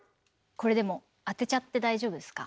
これでも当てちゃって大丈夫ですか？